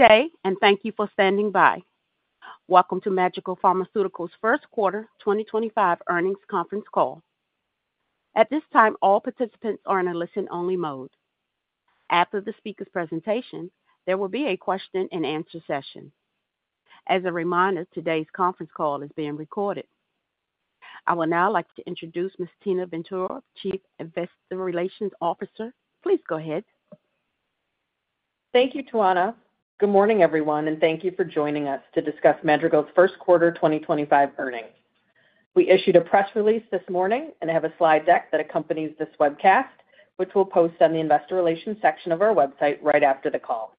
Today, and thank you for standing by. Welcome to Madrigal Pharmaceuticals' First Quarter 2025 Earnings Conference Call. At this time, all participants are in a listen-only mode. After the speaker's presentation, there will be a question-and-answer session. As a reminder, today's conference call is being recorded. I would now like to introduce Ms. Tina Ventura, Chief Investor Relations Officer. Please go ahead. Thank you, Tawana. Good morning, everyone, and thank you for joining us to discuss Madrigal's first quarter 2025 earnings. We issued a press release this morning and have a slide deck that accompanies this webcast, which we'll post on the Investor Relations section of our website right after the call.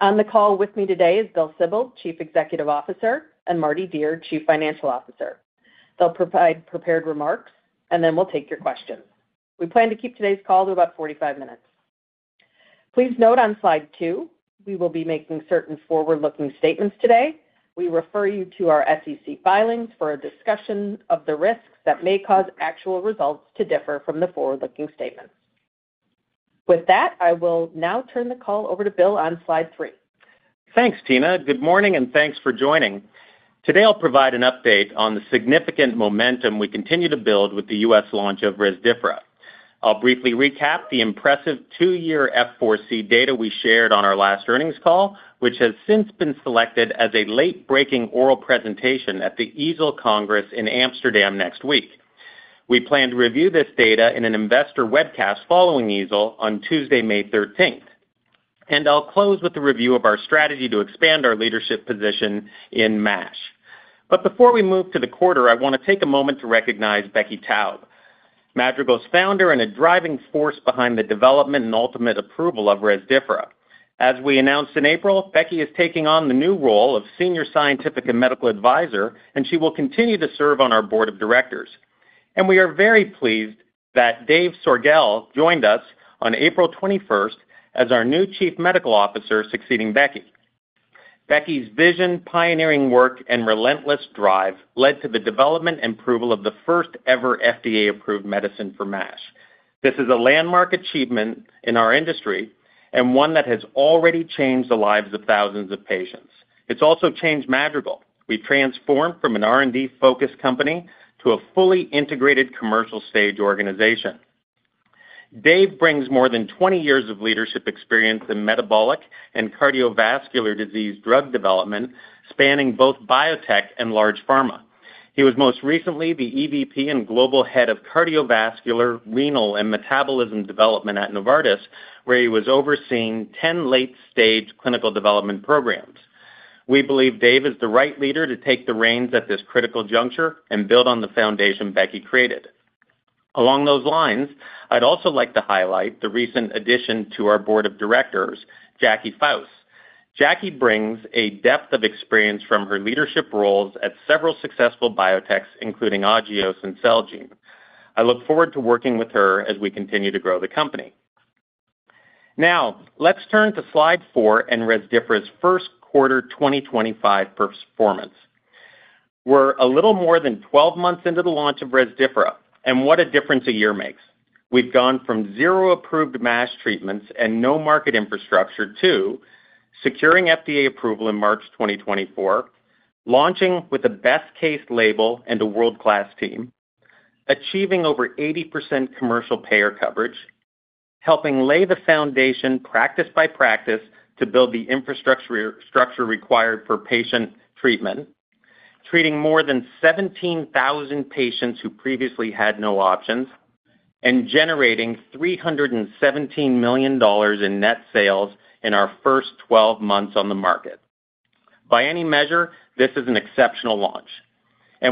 On the call with me today is Bill Sibold, Chief Executive Officer, and Mardi Dier, Chief Financial Officer. They'll provide prepared remarks, and then we'll take your questions. We plan to keep today's call to about 45 minutes. Please note on slide two, we will be making certain forward-looking statements today. We refer you to our SEC filings for a discussion of the risks that may cause actual results to differ from the forward-looking statements. With that, I will now turn the call over to Bill on slide three. Thanks, Tina. Good morning, and thanks for joining. Today, I'll provide an update on the significant momentum we continue to build with the U.S. launch of Rezdiffra. I'll briefly recap the impressive two-year F4c data we shared on our last earnings call, which has since been selected as a late-breaking oral presentation at the EASL Congress in Amsterdam next week. We plan to review this data in an investor webcast following EASL on Tuesday, May 13th. I'll close with a review of our strategy to expand our leadership position in MASH. Before we move to the quarter, I want to take a moment to recognize Rebecca Taub, Madrigal's Founder and a driving force behind the development and ultimate approval of Rezdiffra. As we announced in April, Rebecca is taking on the new role of Senior Scientific and Medical Advisor, and she will continue to serve on our Board of Directors. We are very pleased that David Soergel joined us on April 21st as our new Chief Medical Officer succeeding Rebecca. Rebecca's vision, pioneering work, and relentless drive led to the development and approval of the first-ever FDA-approved medicine for MASH. This is a landmark achievement in our industry and one that has already changed the lives of thousands of patients. It's also changed Madrigal. We've transformed from an R&D-focused company to a fully integrated commercial-stage organization. David brings more than 20 years of leadership experience in metabolic and cardiovascular disease drug development, spanning both biotech and large pharma. He was most recently the EVP and Global Head of Cardiovascular, Renal, and Metabolism Development at Novartis, where he was overseeing 10 late-stage clinical development programs. We believe David is the right leader to take the reins at this critical juncture and build on the foundation Rebecca created. Along those lines, I'd also like to highlight the recent addition to our Board of Directors, Jackie Fouse. Jackie brings a depth of experience from her leadership roles at several successful biotechs, including Agios and Celgene. I look forward to working with her as we continue to grow the company. Now, let's turn to slide four and Rezdiffra's first quarter 2025 performance. We're a little more than 12 months into the launch of Rezdiffra, and what a difference a year makes. We've gone from zero-approved MASH treatments and no market infrastructure to securing FDA approval in March 2024, launching with a best-case label and a world-class team, achieving over 80% commercial payer coverage, helping lay the foundation practice by practice to build the infrastructure required for patient treatment, treating more than 17,000 patients who previously had no options, and generating $317 million in net sales in our first 12 months on the market. By any measure, this is an exceptional launch.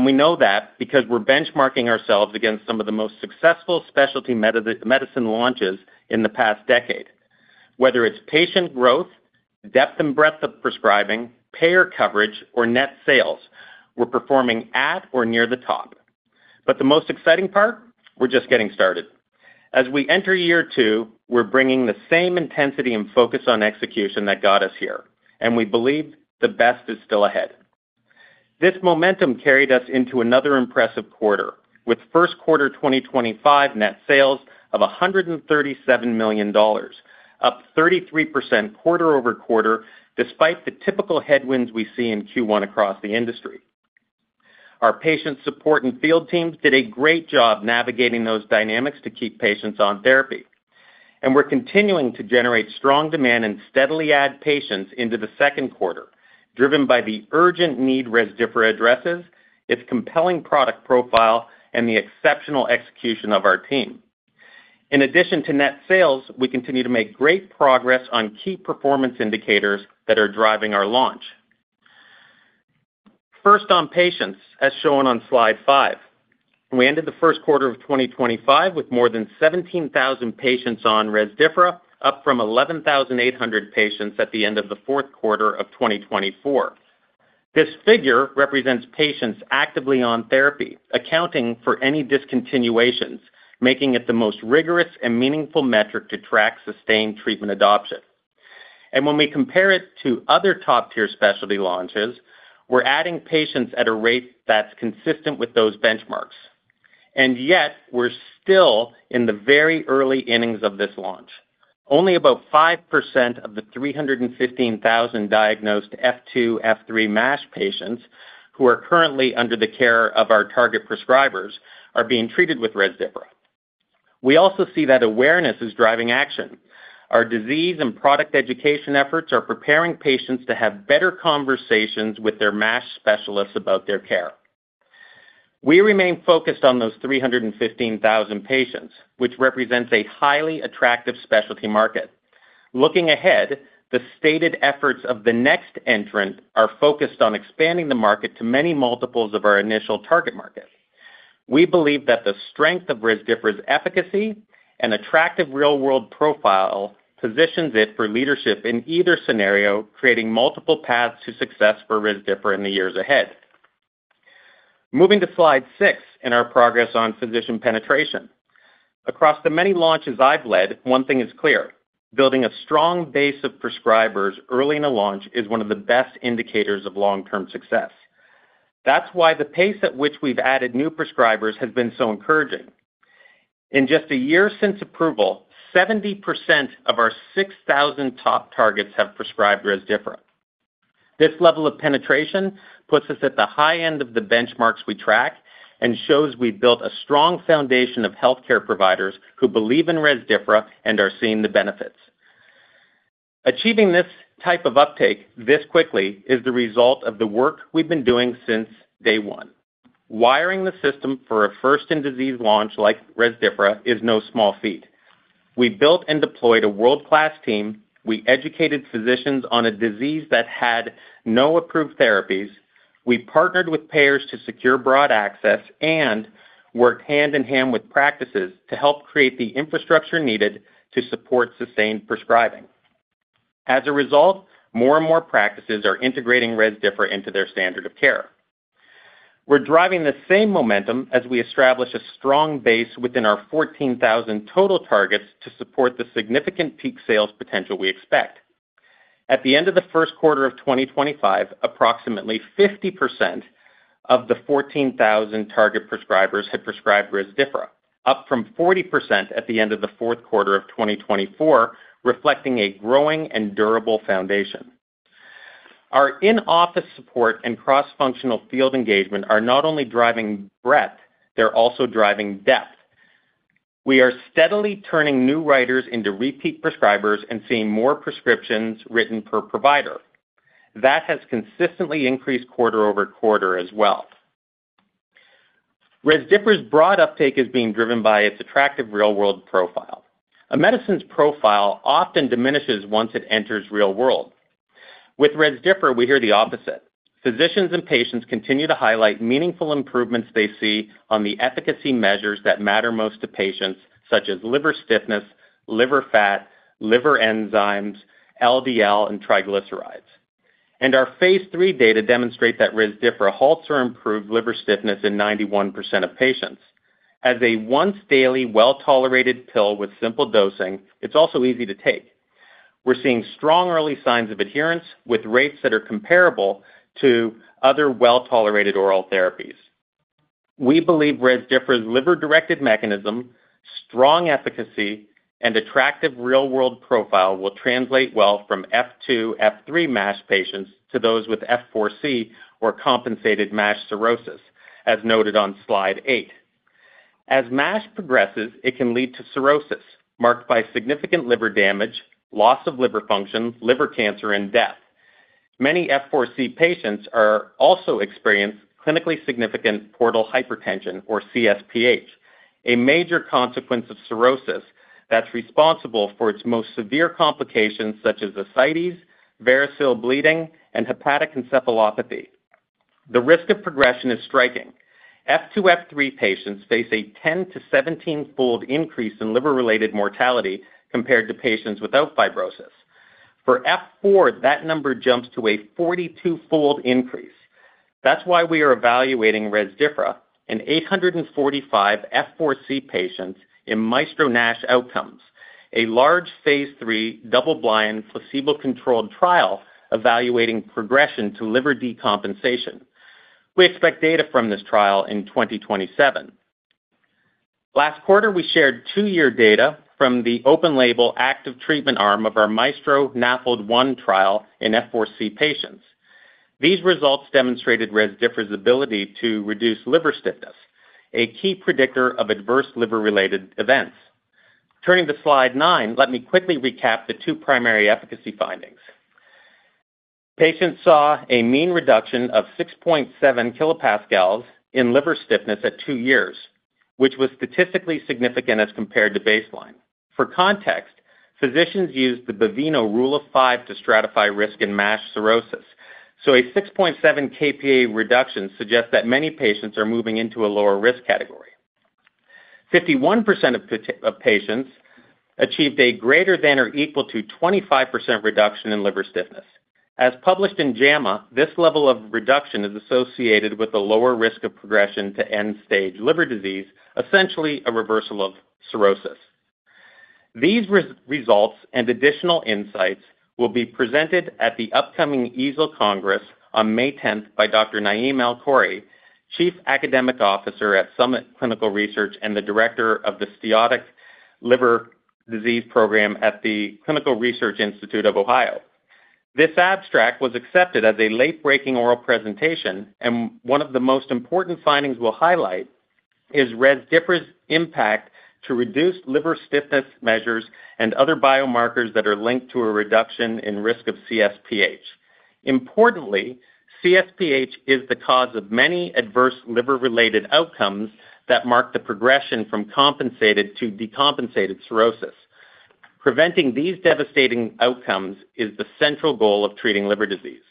We know that because we're benchmarking ourselves against some of the most successful specialty medicine launches in the past decade. Whether it's patient growth, depth and breadth of prescribing, payer coverage, or net sales, we're performing at or near the top. The most exciting part? We're just getting started. As we enter year two, we're bringing the same intensity and focus on execution that got us here, and we believe the best is still ahead. This momentum carried us into another impressive quarter, with first quarter 2025 net sales of $137 million, up 33% quarter-over-quarter, despite the typical headwinds we see in Q1 across the industry. Our patient support and field teams did a great job navigating those dynamics to keep patients on therapy. We're continuing to generate strong demand and steadily add patients into the second quarter, driven by the urgent need Rezdiffra addresses, its compelling product profile, and the exceptional execution of our team. In addition to net sales, we continue to make great progress on key performance indicators that are driving our launch. First on patients, as shown on slide five. We ended the first quarter of 2025 with more than 17,000 patients on Rezdiffra, up from 11,800 patients at the end of the fourth quarter of 2024. This figure represents patients actively on therapy, accounting for any discontinuations, making it the most rigorous and meaningful metric to track sustained treatment adoption. When we compare it to other top-tier specialty launches, we're adding patients at a rate that's consistent with those benchmarks. Yet, we're still in the very early innings of this launch. Only about 5% of the 315,000 diagnosed F2, F3 MASH patients who are currently under the care of our target prescribers are being treated with Rezdiffra. We also see that awareness is driving action. Our disease and product education efforts are preparing patients to have better conversations with their MASH specialists about their care. We remain focused on those 315,000 patients, which represents a highly attractive specialty market. Looking ahead, the stated efforts of the next entrant are focused on expanding the market to many multiples of our initial target market. We believe that the strength of Rezdiffra's efficacy and attractive real-world profile positions it for leadership in either scenario, creating multiple paths to success for Rezdiffra in the years ahead. Moving to slide six in our progress on physician penetration. Across the many launches I've led, one thing is clear: building a strong base of prescribers early in a launch is one of the best indicators of long-term success. That's why the pace at which we've added new prescribers has been so encouraging. In just a year since approval, 70% of our 6,000 top targets have prescribed Rezdiffra. This level of penetration puts us at the high end of the benchmarks we track and shows we've built a strong foundation of healthcare providers who believe in Rezdiffra and are seeing the benefits. Achieving this type of uptake this quickly is the result of the work we've been doing since day one. Wiring the system for a first-in-disease launch like Rezdiffra is no small feat. We built and deployed a world-class team. We educated physicians on a disease that had no approved therapies. We partnered with payers to secure broad access and worked hand in hand with practices to help create the infrastructure needed to support sustained prescribing. As a result, more and more practices are integrating Rezdiffra into their standard of care. We're driving the same momentum as we establish a strong base within our 14,000 total targets to support the significant peak sales potential we expect. At the end of the first quarter of 2025, approximately 50% of the 14,000 target prescribers had prescribed Rezdiffra, up from 40% at the end of the fourth quarter of 2024, reflecting a growing and durable foundation. Our in-office support and cross-functional field engagement are not only driving breadth, they're also driving depth. We are steadily turning new writers into repeat prescribers and seeing more prescriptions written per provider. That has consistently increased quarter-over-quarter as well. Rezdiffra's broad uptake is being driven by its attractive real-world profile. A medicine's profile often diminishes once it enters real world. With Rezdiffra, we hear the opposite. Physicians and patients continue to highlight meaningful improvements they see on the efficacy measures that matter most to patients, such as liver stiffness, liver fat, liver enzymes, LDL, and triglycerides. Our phase III data demonstrate that Rezdiffra halts or improves liver stiffness in 91% of patients. As a once-daily, well-tolerated pill with simple dosing, it's also easy to take. We're seeing strong early signs of adherence with rates that are comparable to other well-tolerated oral therapies. We believe Rezdiffra's liver-directed mechanism, strong efficacy, and attractive real-world profile will translate well from F2, F3 MASH patients to those with F4c or compensated MASH cirrhosis, as noted on slide eight. As MASH progresses, it can lead to cirrhosis marked by significant liver damage, loss of liver function, liver cancer, and death. Many F4c patients also experience clinically significant portal hypertension, or CSPH, a major consequence of cirrhosis that's responsible for its most severe complications, such as ascites, variceal bleeding, and hepatic encephalopathy. The risk of progression is striking. F2, F3 patients face a 10-17-fold increase in liver-related mortality compared to patients without fibrosis. For F4, that number jumps to a 42-fold increase. That is why we are evaluating Rezdiffra in 845 F4c patients in MAESTRO-NASH OUTCOMES, a large phase III double-blind placebo-controlled trial evaluating progression to liver decompensation. We expect data from this trial in 2027. Last quarter, we shared two-year data from the open-label active treatment arm of our MAESTRO-NAFLD-1 trial in F4c patients. These results demonstrated Rezdiffra's ability to reduce liver stiffness, a key predictor of adverse liver-related events. Turning to slide nine, let me quickly recap the two primary efficacy findings. Patients saw a mean reduction of 6.7 kilopascals in liver stiffness at two years, which was statistically significant as compared to baseline. For context, physicians use the Baveno rule of five to stratify risk in MASH cirrhosis. A 6.7 kPa reduction suggests that many patients are moving into a lower risk category. 51% of patients achieved a greater than or equal to 25% reduction in liver stiffness. As published in JAMA, this level of reduction is associated with a lower risk of progression to end-stage liver disease, essentially a reversal of cirrhosis. These results and additional insights will be presented at the upcoming EASL Congress on May 10th by Dr. Naim Alkhouri, Chief Academic Officer at Summit Clinical Research and the Director of the Steatotic Liver Disease Program at the Clinical Research Institute of Ohio. This abstract was accepted as a late-breaking oral presentation, and one of the most important findings we'll highlight is Rezdiffra's impact to reduced liver stiffness measures and other biomarkers that are linked to a reduction in risk of CSPH. Importantly, CSPH is the cause of many adverse liver-related outcomes that mark the progression from compensated to decompensated cirrhosis. Preventing these devastating outcomes is the central goal of treating liver disease.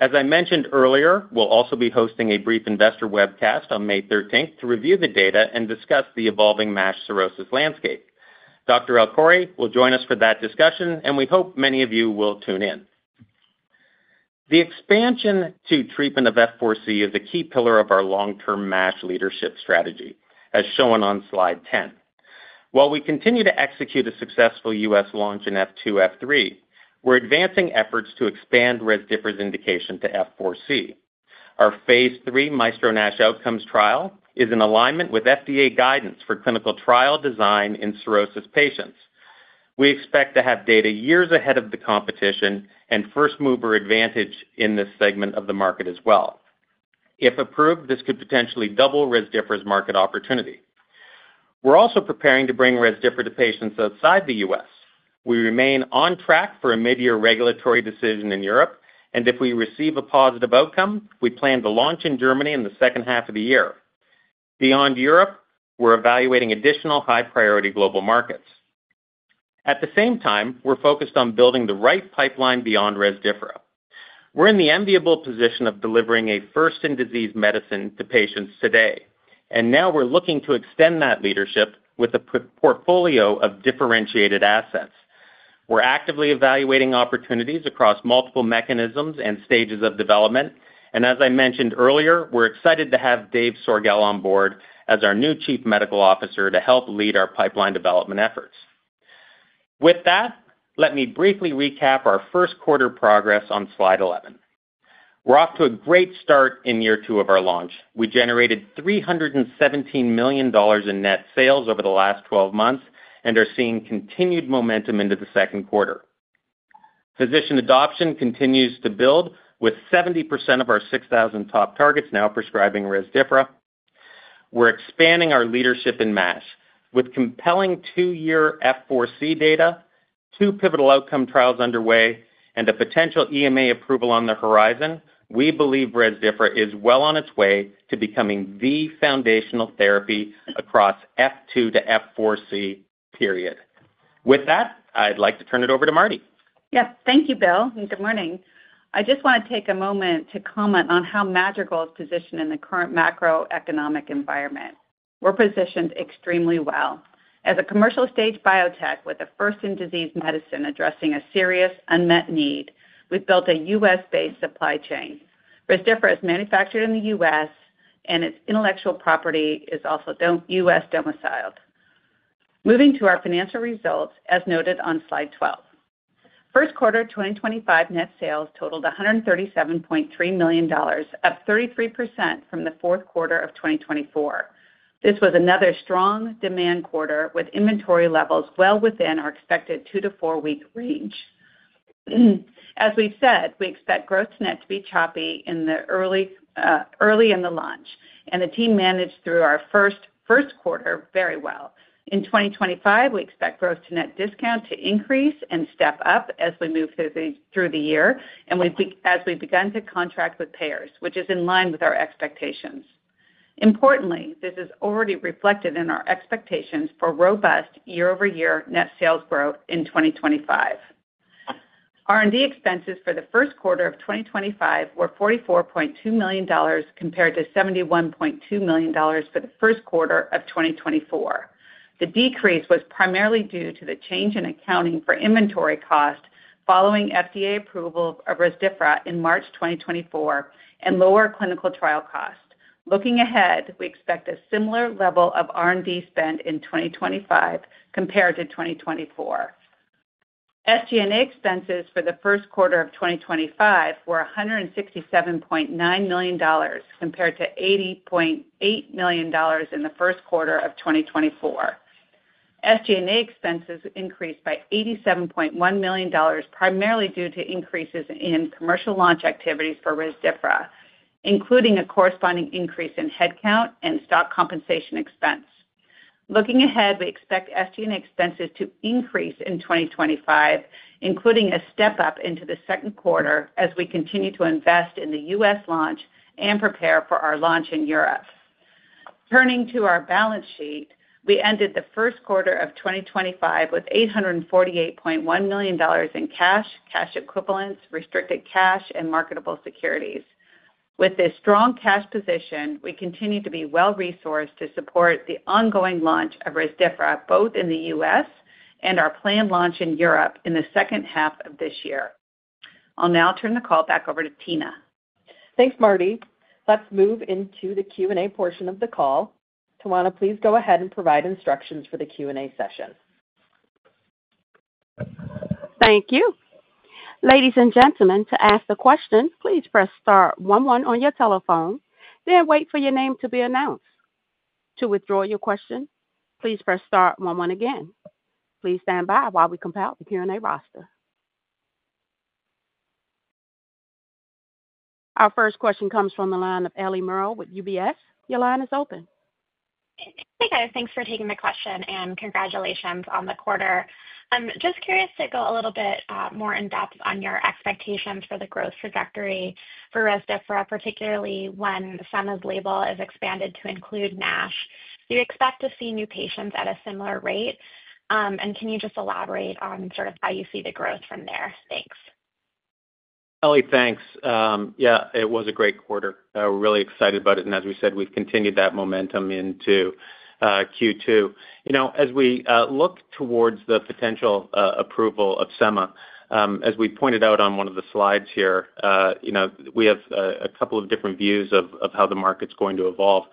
As I mentioned earlier, we'll also be hosting a brief investor webcast on May 13th to review the data and discuss the evolving MASH cirrhosis landscape. Dr. Alkhouri will join us for that discussion, and we hope many of you will tune in. The expansion to treatment of F4c is a key pillar of our long-term MASH leadership strategy, as shown on slide 10. While we continue to execute a successful U.S. launch in F2, F3, we're advancing efforts to expand Rezdiffra's indication to F4c. Our phase III MAESTRO-NASH OUTCOMES trial is in alignment with FDA guidance for clinical trial design in cirrhosis patients. We expect to have data years ahead of the competition and first-mover advantage in this segment of the market as well. If approved, this could potentially double Rezdiffra's market opportunity. We're also preparing to bring Rezdiffra to patients outside the U.S. We remain on track for a mid-year regulatory decision in Europe, and if we receive a positive outcome, we plan to launch in Germany in the second half of the year. Beyond Europe, we're evaluating additional high-priority global markets. At the same time, we're focused on building the right pipeline beyond Rezdiffra. We're in the enviable position of delivering a first-in-disease medicine to patients today, and now we're looking to extend that leadership with a portfolio of differentiated assets. We're actively evaluating opportunities across multiple mechanisms and stages of development, and as I mentioned earlier, we're excited to have David Soergel on board as our new Chief Medical Officer to help lead our pipeline development efforts. With that, let me briefly recap our first quarter progress on slide 11. We're off to a great start in year two of our launch. We generated $317 million in net sales over the last 12 months and are seeing continued momentum into the second quarter. Physician adoption continues to build, with 70% of our 6,000 top targets now prescribing Rezdiffra. We're expanding our leadership in MASH. With compelling two-year F4c data, two pivotal outcome trials underway, and a potential EMA approval on the horizon, we believe Rezdiffra is well on its way to becoming the foundational therapy across F2 to F4c, period. With that, I'd like to turn it over to Mardi. Yes, thank you, Bill, and good morning. I just want to take a moment to comment on how Madrigal's positioned in the current macroeconomic environment. We're positioned extremely well. As a commercial-stage biotech with a first-in-disease medicine addressing a serious unmet need, we've built a U.S.-based supply chain. Rezdiffra is manufactured in the U.S., and its intellectual property is also U.S. domiciled. Moving to our financial results, as noted on slide 12. First quarter 2025 net sales totaled $137.3 million, up 33% from the fourth quarter of 2024. This was another strong demand quarter, with inventory levels well within our expected two to four-week range. As we've said, we expect gross-to-net to be choppy in the early in the launch, and the team managed through our first quarter very well. In 2025, we expect gross-to-net discount to increase and step up as we move through the year, and as we've begun to contract with payers, which is in line with our expectations. Importantly, this is already reflected in our expectations for robust year-over-year net sales growth in 2025. R&D expenses for the first quarter of 2025 were $44.2 million compared to $71.2 million for the first quarter of 2024. The decrease was primarily due to the change in accounting for inventory cost following FDA approval of Rezdiffra in March 2024 and lower clinical trial cost. Looking ahead, we expect a similar level of R&D spend in 2025 compared to 2024. SG&A expenses for the first quarter of 2025 were $167.9 million compared to $80.8 million in the first quarter of 2024. SG&A expenses increased by $87.1 million, primarily due to increases in commercial launch activities for Rezdiffra, including a corresponding increase in headcount and stock compensation expense. Looking ahead, we expect SG&A expenses to increase in 2025, including a step up into the second quarter as we continue to invest in the U.S. launch and prepare for our launch in Europe. Turning to our balance sheet, we ended the first quarter of 2025 with $848.1 million in cash, cash equivalents, restricted cash, and marketable securities. With this strong cash position, we continue to be well-resourced to support the ongoing launch of Rezdiffra both in the U.S. and our planned launch in Europe in the second half of this year. I'll now turn the call back over to Tina. Thanks, Mardi. Let's move into the Q&A portion of the call. Tawana, please go ahead and provide instructions for the Q&A session. Thank you. Ladies and gentlemen, to ask a question, please press star one one on your telephone, then wait for your name to be announced. To withdraw your question, please press star one one again. Please stand by while we compile the Q&A roster. Our first question comes from the line of Ellie Merle with UBS. Your line is open. Hey, guys. Thanks for taking the question, and congratulations on the quarter. I'm just curious to go a little bit more in depth on your expectations for the growth trajectory for Rezdiffra, particularly when sema's label is expanded to include NASH. Do you expect to see new patients at a similar rate? Can you just elaborate on sort of how you see the growth from there? Thanks. Ellie, thanks. Yeah, it was a great quarter. We're really excited about it, and as we said, we've continued that momentum into Q2. As we look towards the potential approval of sema, as we pointed out on one of the slides here, we have a couple of different views of how the market's going to evolve.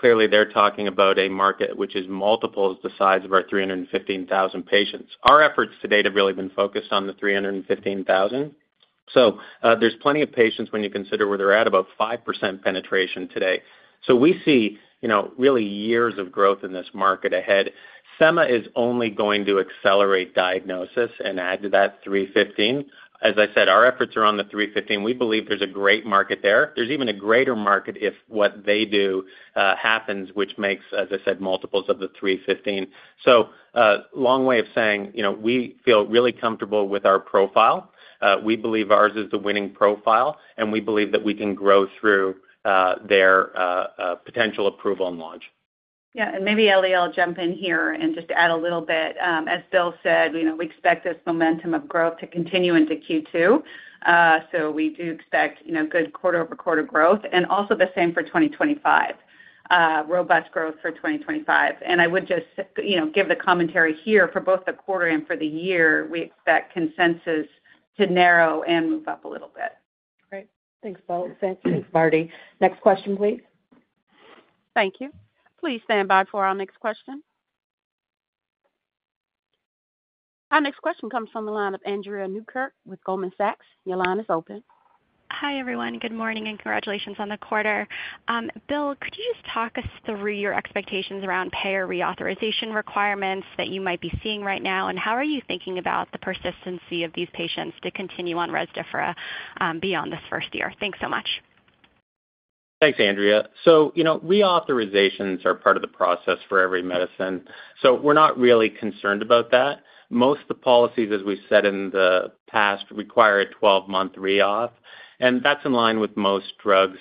Clearly, they're talking about a market which is multiples the size of our 315,000 patients. Our efforts today have really been focused on the 315,000. There are plenty of patients when you consider where they're at, about 5% penetration today. We see really years of growth in this market ahead. Sema is only going to accelerate diagnosis and add to that 315. As I said, our efforts are on the 315. We believe there's a great market there. There's even a greater market if what they do happens, which makes, as I said, multiples of the 315. Long way of saying, we feel really comfortable with our profile. We believe ours is the winning profile, and we believe that we can grow through their potential approval and launch. Yeah, maybe Ellie, I'll jump in here and just add a little bit. As Bill said, we expect this momentum of growth to continue into Q2. We do expect good quarter-over-quarter growth, and also the same for 2025. Robust growth for 2025. I would just give the commentary here for both the quarter and for the year. We expect consensus to narrow and move up a little bit. Great. Thanks, both. Thanks, Mardi. Next question, please. Thank you. Please stand by for our next question. Our next question comes from the line of Andrea Newkirk with Goldman Sachs. Your line is open. Hi, everyone. Good morning and congratulations on the quarter. Bill, could you just talk us through your expectations around payer reauthorization requirements that you might be seeing right now, and how are you thinking about the persistency of these patients to continue on Rezdiffra beyond this first year? Thanks so much. Thanks, Andrea. Reauthorizations are part of the process for every medicine. We are not really concerned about that. Most of the policies, as we have said in the past, require a 12-month reauth, and that is in line with most drugs.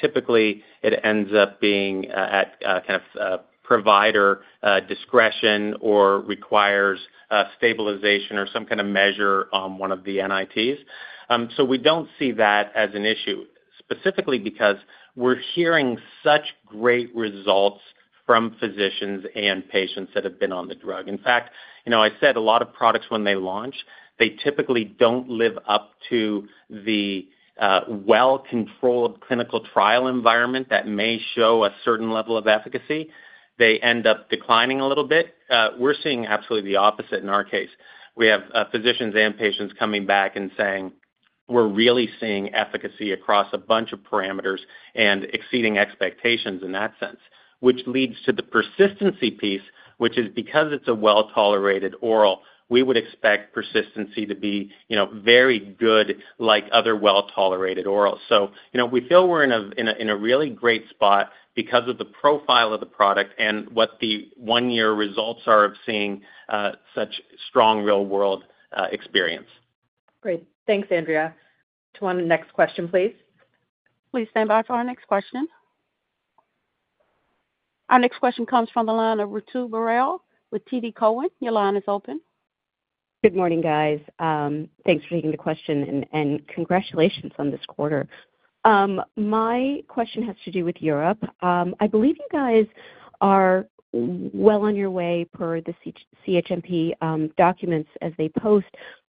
Typically, it ends up being at kind of provider discretion or requires stabilization or some kind of measure on one of the NITs. We do not see that as an issue, specifically because we are hearing such great results from physicians and patients that have been on the drug. In fact, I said a lot of products when they launch, they typically do not live up to the well-controlled clinical trial environment that may show a certain level of efficacy. They end up declining a little bit. We are seeing absolutely the opposite in our case. We have physicians and patients coming back and saying, "We are really seeing efficacy across a bunch of parameters and exceeding expectations in that sense," which leads to the persistency piece, which is because it is a well-tolerated oral, we would expect persistency to be very good like other well-tolerated orals. We feel we are in a really great spot because of the profile of the product and what the one-year results are of seeing such strong real-world experience. Great. Thanks, Andrea. Tawana, next question, please. Please stand by for our next question. Our next question comes from the line of Ritu Baral with TD Cowen. Your line is open. Good morning, guys. Thanks for taking the question, and congratulations on this quarter. My question has to do with Europe. I believe you guys are well on your way per the CHMP documents as they post,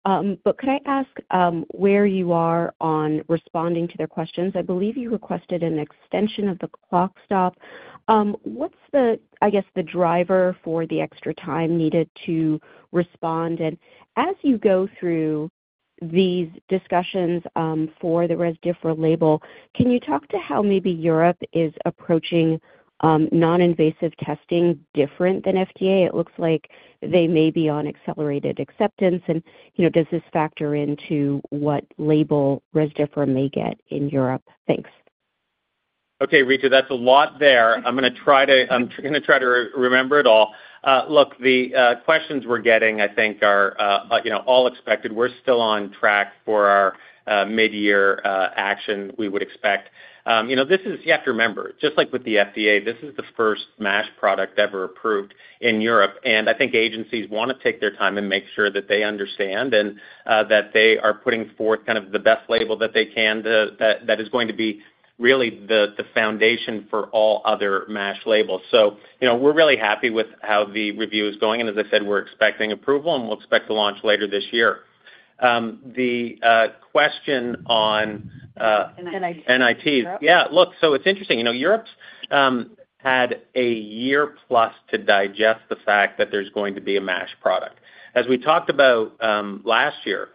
but could I ask where you are on responding to their questions? I believe you requested an extension of the clock stop. What's, I guess, the driver for the extra time needed to respond? As you go through these discussions for the Rezdiffra label, can you talk to how maybe Europe is approaching non-invasive testing different than FDA? It looks like they may be on accelerated acceptance, and does this factor into what label Rezdiffra may get in Europe? Thanks. Okay, Ritu, that's a lot there. I'm going to try to remember it all. Look, the questions we're getting, I think, are all expected. We're still on track for our mid-year action, we would expect. This is—you have to remember, just like with the FDA, this is the first MASH product ever approved in Europe, and I think agencies want to take their time and make sure that they understand and that they are putting forth kind of the best label that they can that is going to be really the foundation for all other MASH labels. We are really happy with how the review is going, and as I said, we're expecting approval, and we'll expect to launch later this year. The question on NITs. Yeah, look, it is interesting. Europe had a year-plus to digest the fact that there's going to be a MASH product. As we talked about last year,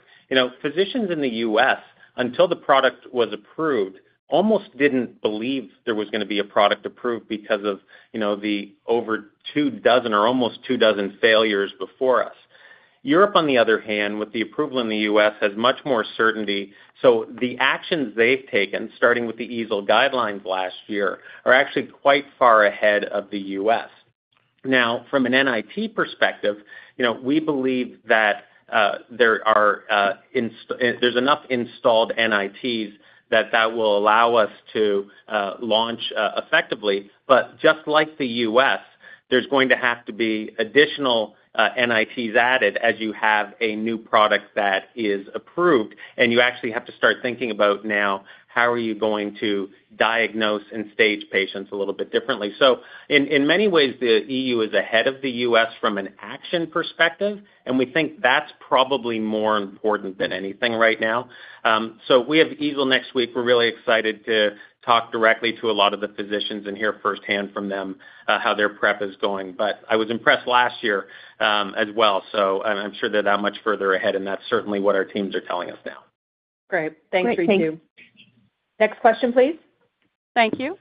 physicians in the U.S., until the product was approved, almost did not believe there was going to be a product approved because of the over two dozen or almost two dozen failures before us. Europe, on the other hand, with the approval in the U.S., has much more certainty. The actions they have taken, starting with the EASL guidelines last year, are actually quite far ahead of the U.S. Now, from an NIT perspective, we believe that there are enough installed NITs that that will allow us to launch effectively. Just like the U.S., there is going to have to be additional NITs added as you have a new product that is approved, and you actually have to start thinking about now, how are you going to diagnose and stage patients a little bit differently? In many ways, the EU is ahead of the U.S. From an action perspective, and we think that's probably more important than anything right now. We have EASL next week. We're really excited to talk directly to a lot of the physicians and hear firsthand from them how their prep is going. I was impressed last year as well, so I'm sure they're that much further ahead, and that's certainly what our teams are telling us now. Great. Thanks, Ritu. Thank you. Next question, please. Thank you.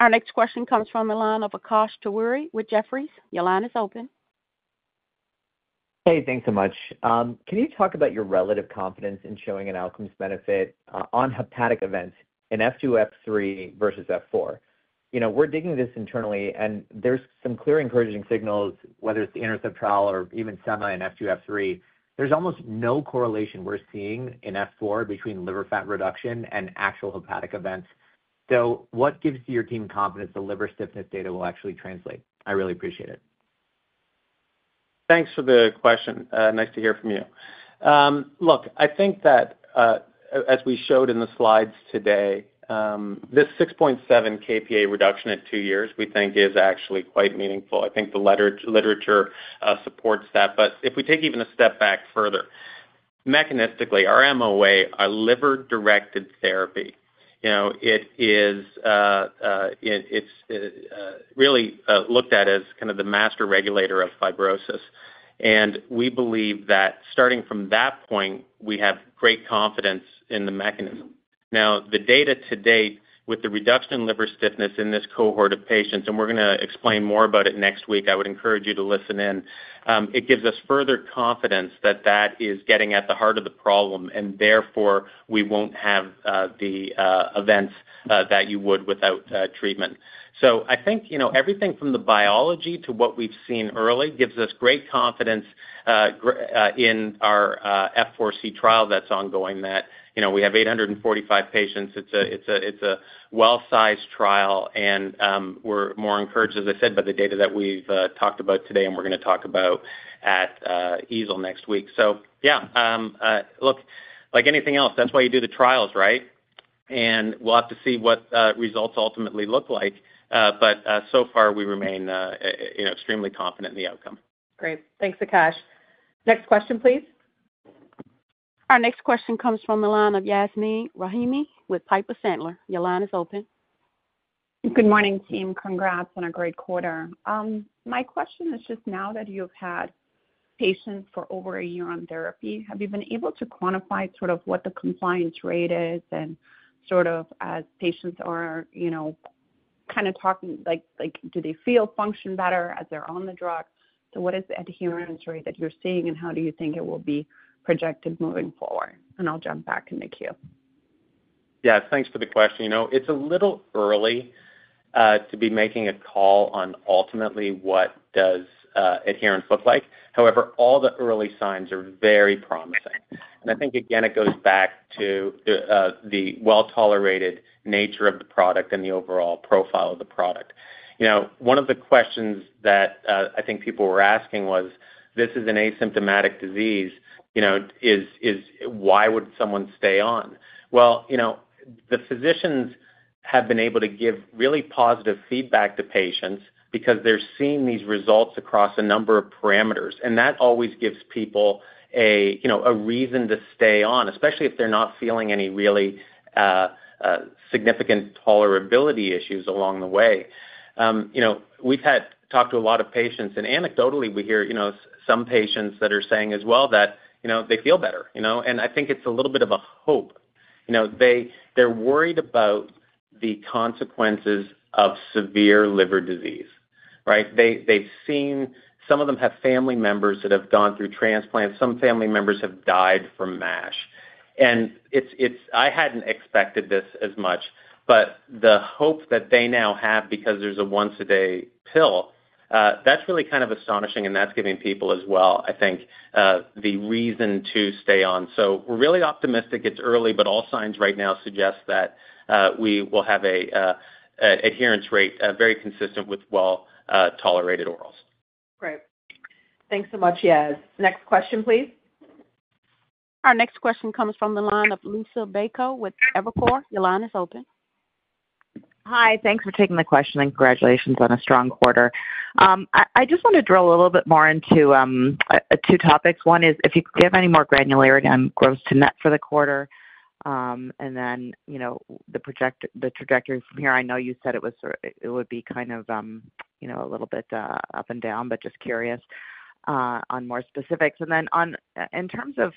Our next question comes from the line of Akash Tewari, with Jefferies. Your line is open. Hey, thanks so much. Can you talk about your relative confidence in showing an outcomes benefit on hepatic events in F2, F3 versus F4? We're digging this internally, and there's some clear encouraging signals, whether it's the Intercept trial or even sema in F2, F3. There's almost no correlation we're seeing in F4 between liver fat reduction and actual hepatic events. What gives your team confidence the liver stiffness data will actually translate? I really appreciate it. Thanks for the question. Nice to hear from you. Look, I think that, as we showed in the slides today, this 6.7 kPa reduction at two years we think is actually quite meaningful. I think the literature supports that. If we take even a step back further, mechanistically, our MOA, our liver-directed therapy, it is really looked at as kind of the master regulator of fibrosis. We believe that starting from that point, we have great confidence in the mechanism. Now, the data to date with the reduction in liver stiffness in this cohort of patients, and we're going to explain more about it next week. I would encourage you to listen in. It gives us further confidence that that is getting at the heart of the problem, and therefore we won't have the events that you would without treatment. I think everything from the biology to what we've seen early gives us great confidence in our F4c trial that's ongoing, that we have 845 patients. It's a well-sized trial, and we're more encouraged, as I said, by the data that we've talked about today, and we're going to talk about at EASL next week. Yeah, look, like anything else, that's why you do the trials, right? We'll have to see what results ultimately look like. So far, we remain extremely confident in the outcome. Great. Thanks, Akash. Next question, please. Our next question comes from the line of Yasmeen Rahimi with Piper Sandler. Your line is open. Good morning, team. Congrats on a great quarter. My question is just now that you've had patients for over a year on therapy, have you been able to quantify sort of what the compliance rate is and sort of as patients are kind of talking, do they feel function better as they're on the drug? What is the adherence rate that you're seeing, and how do you think it will be projected moving forward? I'll jump back in the queue. Yeah, thanks for the question. It's a little early to be making a call on ultimately what does adherence look like. However, all the early signs are very promising. I think, again, it goes back to the well-tolerated nature of the product and the overall profile of the product. One of the questions that I think people were asking was, "This is an asymptomatic disease. Why would someone stay on? The physicians have been able to give really positive feedback to patients because they're seeing these results across a number of parameters, and that always gives people a reason to stay on, especially if they're not feeling any really significant tolerability issues along the way. We've talked to a lot of patients, and anecdotally, we hear some patients that are saying as well that they feel better. I think it's a little bit of a hope. They're worried about the consequences of severe liver disease, right? They've seen some of them have family members that have gone through transplants. Some family members have died from MASH. I hadn't expected this as much, but the hope that they now have because there's a once-a-day pill, that's really kind of astonishing, and that's giving people as well, I think, the reason to stay on. We're really optimistic. It's early, but all signs right now suggest that we will have an adherence rate very consistent with well-tolerated orals. Great. Thanks so much, Yaz. Next question, please. Our next question comes from the line of Liisa Bayko with Evercore. Your line is open. Hi, thanks for taking the question, and congratulations on a strong quarter. I just want to drill a little bit more into two topics. One is if you could give any more granularity on gross to net for the quarter, and then the trajectory from here. I know you said it would be kind of a little bit up and down, but just curious on more specifics. And then in terms of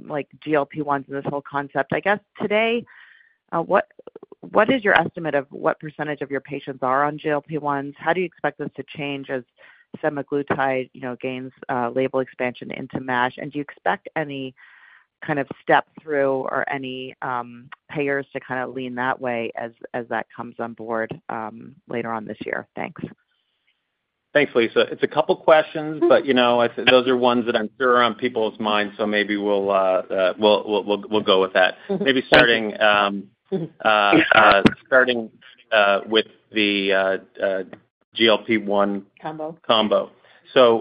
GLP-1s and this whole concept, I guess today, what is your estimate of what percentage of your patients are on GLP-1s? How do you expect this to change as semaglutide gains label expansion into MASH? Do you expect any kind of step through or any payers to kind of lean that way as that comes on board later on this year? Thanks. Thanks, Liisa. It's a couple of questions, but those are ones that I'm sure are on people's minds, so maybe we'll go with that. Maybe starting with the GLP-1 combo.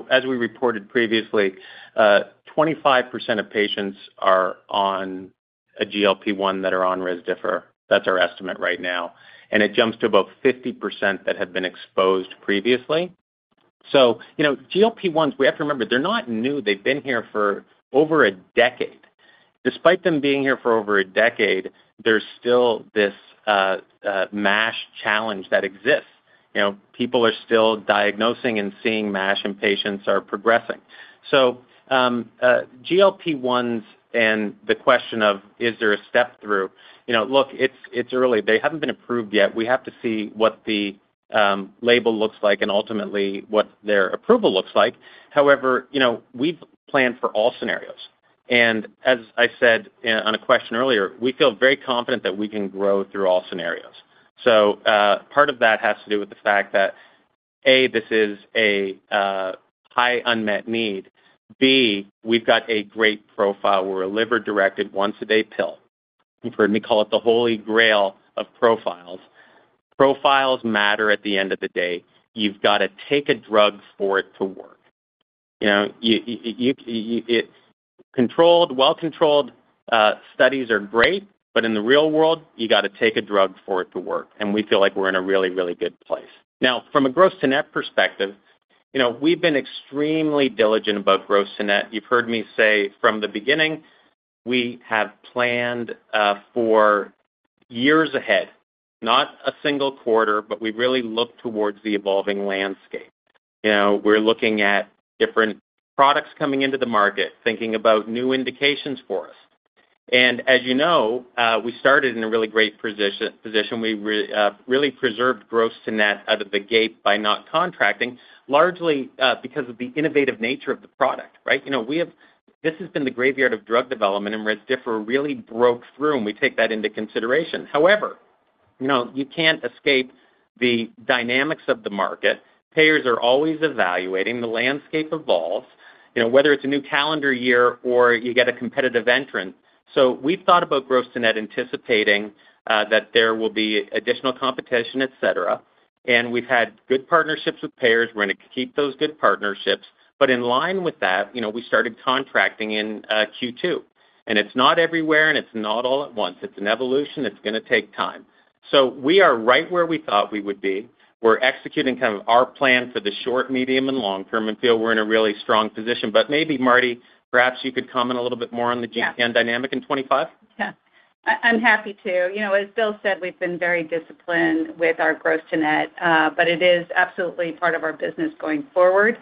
As we reported previously, 25% of patients are on a GLP-1 that are on Rezdiffra. That's our estimate right now. It jumps to about 50% that have been exposed previously. GLP-1s, we have to remember, they're not new. They've been here for over a decade. Despite them being here for over a decade, there's still this MASH challenge that exists. People are still diagnosing and seeing MASH, and patients are progressing. GLP-1s and the question of, "Is there a step through?" Look, it's early. They haven't been approved yet. We have to see what the label looks like and ultimately what their approval looks like. However, we've planned for all scenarios. As I said on a question earlier, we feel very confident that we can grow through all scenarios. Part of that has to do with the fact that, A, this is a high unmet need. B, we've got a great profile. We're a liver-directed once-a-day pill. You've heard me call it the holy grail of profiles. Profiles matter at the end of the day. You've got to take a drug for it to work. Controlled, well-controlled studies are great, but in the real world, you got to take a drug for it to work. We feel like we're in a really, really good place. Now, from a gross-to-net perspective, we've been extremely diligent about gross-to-net. You've heard me say from the beginning, we have planned for years ahead, not a single quarter, but we really look towards the evolving landscape. We're looking at different products coming into the market, thinking about new indications for us. And as you know, we started in a really great position. We really preserved gross-to-net out of the gate by not contracting, largely because of the innovative nature of the product, right? This has been the graveyard of drug development, and Rezdiffra really broke through, and we take that into consideration. However, you can't escape the dynamics of the market. Payers are always evaluating. The landscape evolves, whether it's a new calendar year or you get a competitive entrant. We have thought about gross-to-net anticipating that there will be additional competition, etc. We have had good partnerships with payers. We're going to keep those good partnerships. In line with that, we started contracting in Q2. It's not everywhere, and it's not all at once. It's an evolution. It's going to take time. We are right where we thought we would be. We're executing kind of our plan for the short, medium, and long term, and feel we're in a really strong position. Maybe, Mardi, perhaps you could comment a little bit more on the dynamic in 2025? Yeah. I'm happy to. As Bill said, we've been very disciplined with our gross-to-net, but it is absolutely part of our business going forward.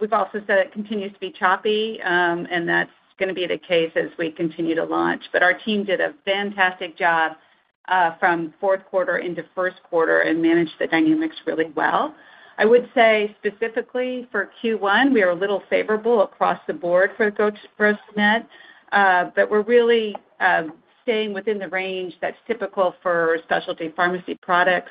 We've also said it continues to be choppy, and that's going to be the case as we continue to launch. Our team did a fantastic job from fourth quarter into first quarter and managed the dynamics really well. I would say specifically for Q1, we are a little favorable across the board for gross-to-net, but we're really staying within the range that's typical for specialty pharmacy products.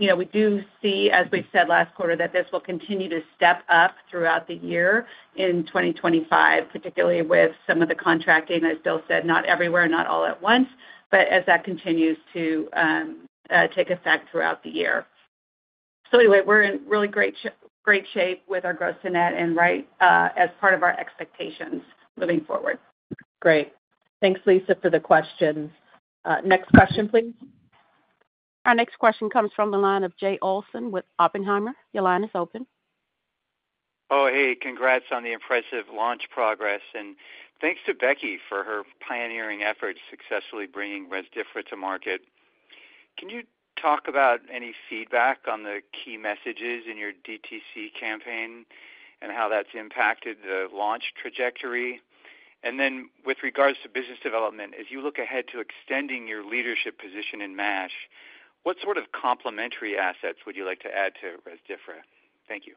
We do see, as we've said last quarter, that this will continue to step up throughout the year in 2025, particularly with some of the contracting, as Bill said, not everywhere, not all at once, but as that continues to take effect throughout the year. Anyway, we're in really great shape with our gross-to-net and right as part of our expectations moving forward. Great. Thanks, Liisa, for the questions. Next question, please. Our next question comes from the line of Jay Olson with Oppenheimer. Your line is open. Oh, hey. Congrats on the impressive launch progress. Thanks to Rebecca for her pioneering efforts successfully bringing Rezdiffra to market. Can you talk about any feedback on the key messages in your DTC campaign and how that's impacted the launch trajectory? And then with regards to business development, as you look ahead to extending your leadership position in MASH, what sort of complementary assets would you like to add to Rezdiffra? Thank you.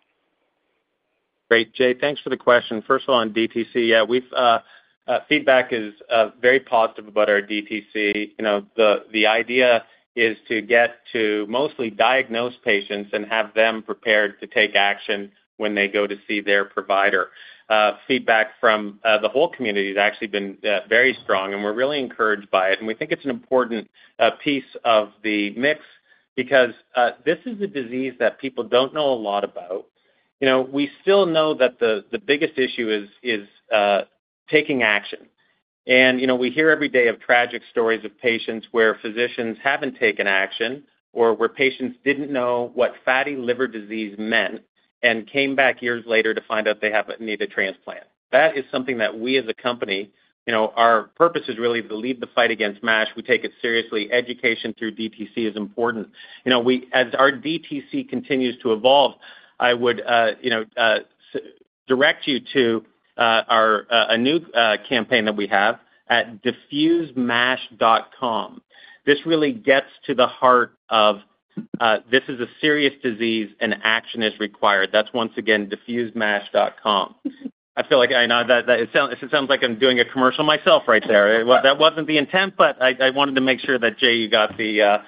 Great. Jay, thanks for the question. First of all, on DTC, yeah, feedback is very positive about our DTC. The idea is to get to mostly diagnosed patients and have them prepared to take action when they go to see their provider. Feedback from the whole community has actually been very strong, and we're really encouraged by it. We think it's an important piece of the mix because this is a disease that people don't know a lot about. We still know that the biggest issue is taking action. We hear every day of tragic stories of patients where physicians have not taken action or where patients did not know what fatty liver disease meant and came back years later to find out they need a transplant. That is something that we as a company, our purpose is really to lead the fight against MASH. We take it seriously. Education through DTC is important. As our DTC continues to evolve, I would direct you to a new campaign that we have at defusemash.com. This really gets to the heart of this is a serious disease, and action is required. That is once again defusemash.com. I feel like I know that it sounds like I am doing a commercial myself right there. That was not the intent, but I wanted to make sure that, Jay, you got the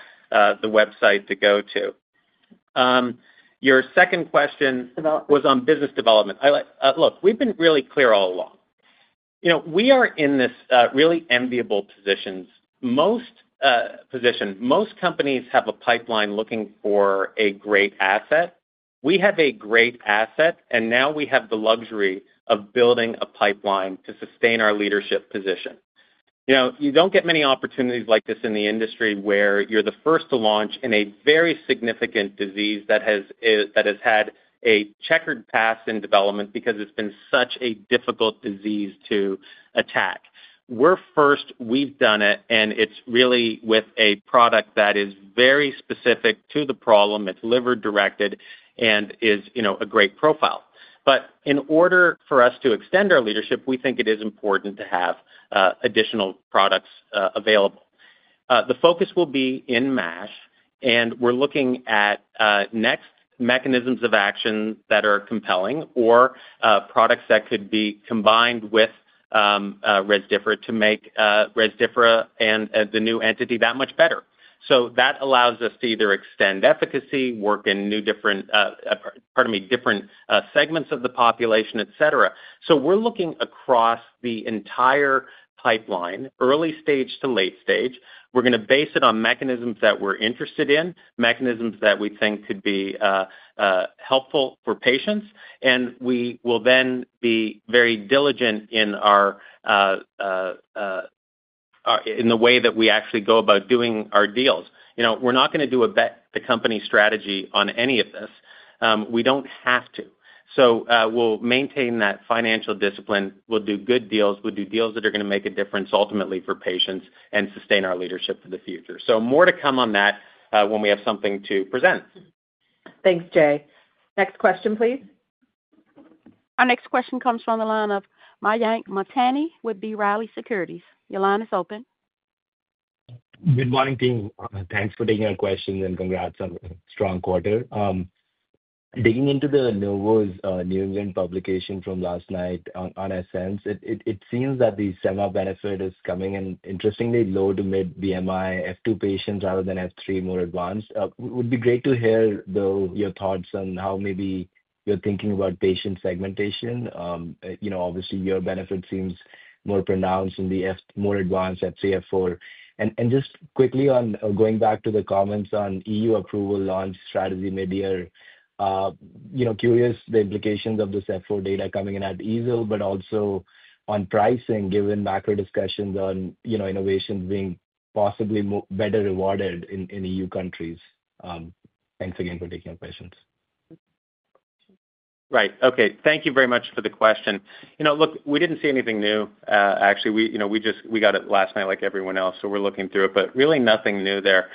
website to go to. Your second question was on business development. Look, we've been really clear all along. We are in this really enviable position. Most companies have a pipeline looking for a great asset. We have a great asset, and now we have the luxury of building a pipeline to sustain our leadership position. You don't get many opportunities like this in the industry where you're the first to launch in a very significant disease that has had a checkered past in development because it's been such a difficult disease to attack. We're first. We've done it, and it's really with a product that is very specific to the problem. It's liver-directed and is a great profile. In order for us to extend our leadership, we think it is important to have additional products available. The focus will be in MASH, and we're looking at next mechanisms of action that are compelling or products that could be combined with Rezdiffra to make Rezdiffra and the new entity that much better. That allows us to either extend efficacy, work in new different—pardon me—different segments of the population, etc. We're looking across the entire pipeline, early stage to late stage. We're going to base it on mechanisms that we're interested in, mechanisms that we think could be helpful for patients. We will then be very diligent in the way that we actually go about doing our deals. We're not going to do a bet-the-company strategy on any of this. We do not have to. We'll maintain that financial discipline. We'll do good deals. We'll do deals that are going to make a difference ultimately for patients and sustain our leadership for the future. More to come on that when we have something to present. Thanks, Jay. Next question, please. Our next question comes from the line of Mayank Mamtani with B. Riley Securities. Your line is open. Good morning, team. Thanks for taking our questions and congrats on a strong quarter. Digging into the Novo's New England publication from last night on ESSENCE, it seems that the sema benefit is coming in interestingly low to mid-BMI F2 patients rather than F3, more advanced. It would be great to hear, though, your thoughts on how maybe you're thinking about patient segmentation. Obviously, your benefit seems more pronounced in the more advanced F3, F4. Just quickly on going back to the comments on EU approval launch strategy mid-year, curious the implications of this F4 data coming in at EASL, but also on pricing given macro discussions on innovations being possibly better rewarded in EU countries. Thanks again for taking our questions. Right. Okay. Thank you very much for the question. Look, we did not see anything new, actually. We got it last night like everyone else, so we are looking through it, but really nothing new there.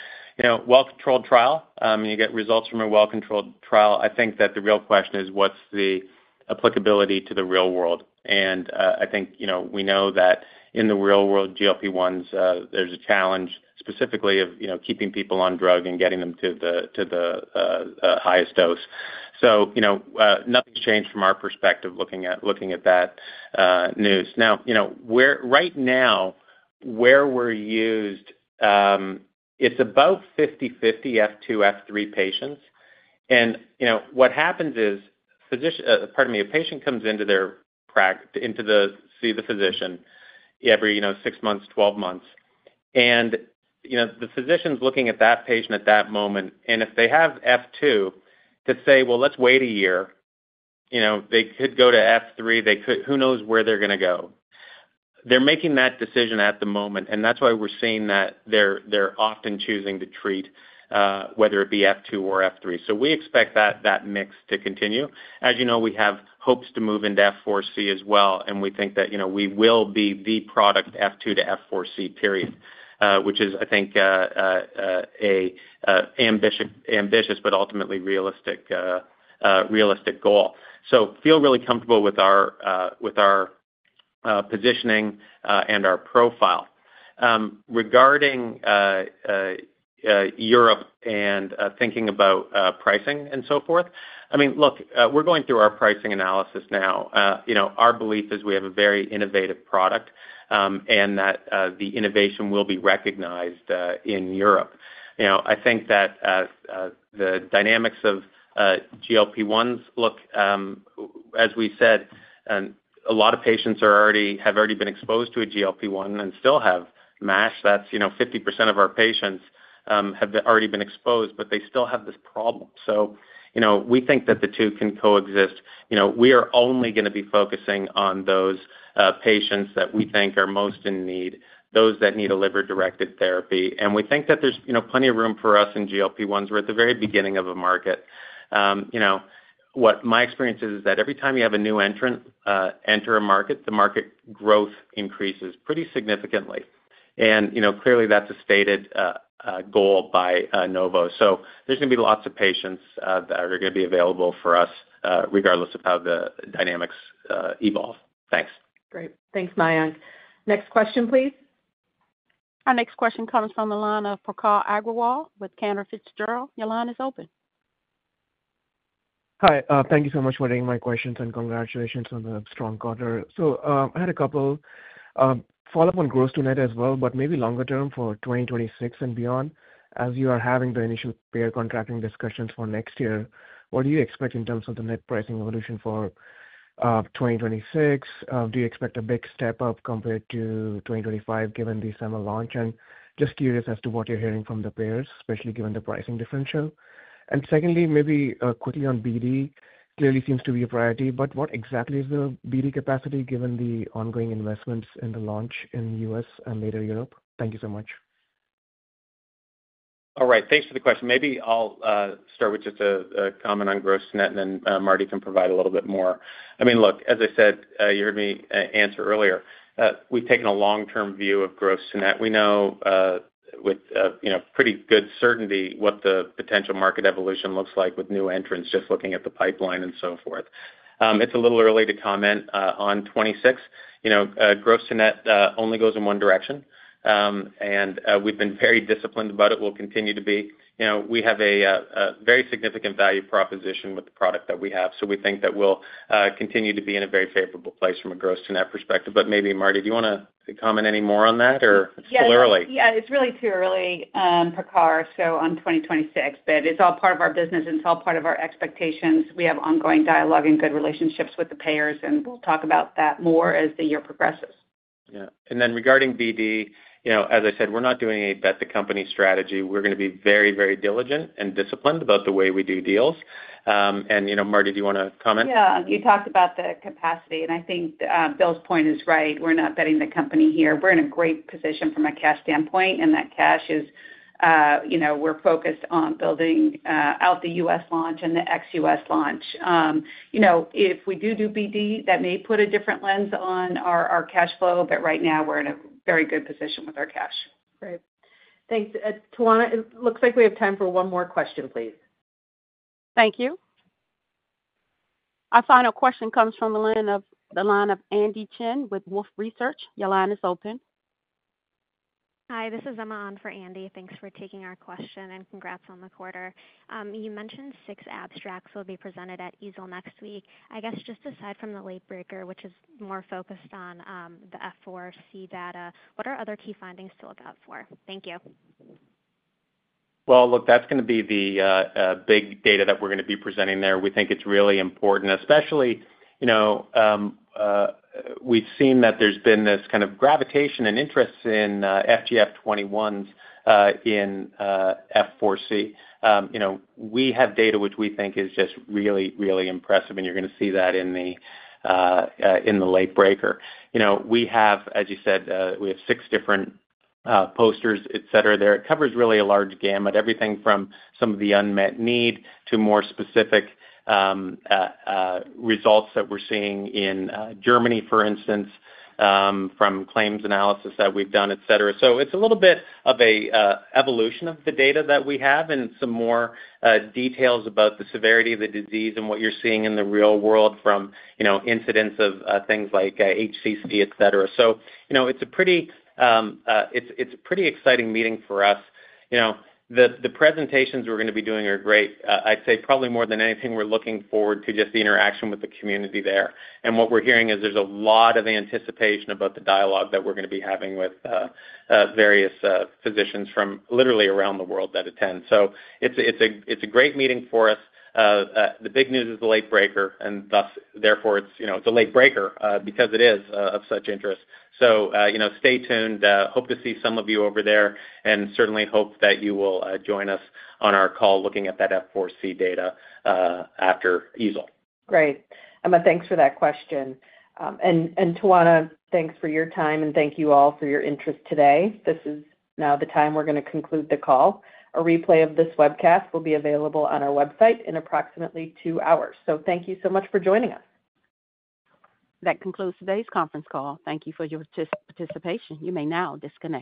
Well-controlled trial. You get results from a well-controlled trial. I think that the real question is what is the applicability to the real world. I think we know that in the real world, GLP-1s, there is a challenge specifically of keeping people on drug and getting them to the highest dose. Nothing has changed from our perspective looking at that news. Now, right now, where we're used, it's about 50/50 F2, F3 patients. What happens is, pardon me, a patient comes in to see the physician every 6 months, 12 months. The physician's looking at that patient at that moment. If they have F2, to say, "Well, let's wait a year," they could go to F3. Who knows where they're going to go? They're making that decision at the moment. That's why we're seeing that they're often choosing to treat, whether it be F2 or F3. We expect that mix to continue. As you know, we have hopes to move into F4c as well. We think that we will be the product F2 to F4c, period, which is, I think, an ambitious but ultimately realistic goal. I feel really comfortable with our positioning and our profile. Regarding Europe and thinking about pricing and so forth, I mean, look, we're going through our pricing analysis now. Our belief is we have a very innovative product and that the innovation will be recognized in Europe. I think that the dynamics of GLP-1s, look, as we said, a lot of patients have already been exposed to a GLP-1 and still have MASH. That's 50% of our patients have already been exposed, but they still have this problem. We think that the two can coexist. We are only going to be focusing on those patients that we think are most in need, those that need a liver-directed therapy. We think that there's plenty of room for us in GLP-1s. We're at the very beginning of a market. What my experience is, is that every time you have a new entrant enter a market, the market growth increases pretty significantly. Clearly, that's a stated goal by Novo. There are going to be lots of patients that are going to be available for us regardless of how the dynamics evolve. Thanks. Great. Thanks, Mayank. Next question, please. Our next question comes from the line of Prakhar Agrawal with Cantor Fitzgerald. Your line is open. Hi. Thank you so much for taking my questions and congratulations on the strong quarter. I had a couple follow-up on gross-to-net as well, but maybe longer term for 2026 and beyond. As you are having the initial payer contracting discussions for next year, what do you expect in terms of the net pricing evolution for 2026? Do you expect a big step up compared to 2025 given the sema launch? Just curious as to what you're hearing from the payers, especially given the pricing differential. Secondly, maybe quickly on BD, clearly seems to be a priority, but what exactly is the BD capacity given the ongoing investments in the launch in the U.S. and later Europe? Thank you so much. All right. Thanks for the question. Maybe I'll start with just a comment on gross-to-net and then Mardi can provide a little bit more. I mean, look, as I said, you heard me answer earlier. We've taken a long-term view of gross-to-net. We know with pretty good certainty what the potential market evolution looks like with new entrants just looking at the pipeline and so forth. It's a little early to comment on 2026. Gross-to-net only goes in one direction, and we've been very disciplined about it. We'll continue to be. We have a very significant value proposition with the product that we have, so we think that we'll continue to be in a very favorable place from a gross-to-net perspective. Maybe, Mardi, do you want to comment any more on that or it's too early? Yeah. It's really too early, Prakhar, so on 2026, but it's all part of our business and it's all part of our expectations. We have ongoing dialogue and good relationships with the payers, and we'll talk about that more as the year progresses. Yeah. Regarding BD, as I said, we're not doing a bet-the-company strategy. We're going to be very, very diligent and disciplined about the way we do deals. Mardi, do you want to comment? Yeah. You talked about the capacity, and I think Bill's point is right. We're not betting the company here. We're in a great position from a cash standpoint, and that cash is we're focused on building out the U.S. launch and the ex-U.S. launch. If we do do BD, that may put a different lens on our cash flow, but right now, we're in a very good position with our cash. Great. Thanks. Tawana, it looks like we have time for one more question, please. Thank you. Our final question comes from the line of Andy Chen with Wolfe Research. Your line is open. Hi. This is Emma Ahn for Andy. Thanks for taking our question and congrats on the quarter. You mentioned six abstracts will be presented at EASL next week. I guess just aside from the late breaker, which is more focused on the F4c data, what are other key findings to look out for? Thank you. Look, that's going to be the big data that we're going to be presenting there. We think it's really important, especially we've seen that there's been this kind of gravitation and interest in FGF21s in F4c. We have data which we think is just really, really impressive, and you're going to see that in the late breaker. We have, as you said, six different posters, etc. there. It covers really a large gamut, everything from some of the unmet need to more specific results that we're seeing in Germany, for instance, from claims analysis that we've done, etc. It is a little bit of an evolution of the data that we have and some more details about the severity of the disease and what you're seeing in the real world from incidence of things like HCC, etc. It is a pretty exciting meeting for us. The presentations we're going to be doing are great. I'd say probably more than anything, we're looking forward to just the interaction with the community there. What we're hearing is there's a lot of anticipation about the dialogue that we're going to be having with various physicians from literally around the world that attend. It is a great meeting for us. The big news is the late breaker, and therefore, it's a late breaker because it is of such interest. Stay tuned. Hope to see some of you over there and certainly hope that you will join us on our call looking at that F4c data after EASL. Great. Emma, thanks for that question. Tawana, thanks for your time, and thank you all for your interest today. This is now the time we're going to conclude the call. A replay of this webcast will be available on our website in approximately two hours. Thank you so much for joining us. That concludes today's conference call. Thank you for your participation. You may now disconnect.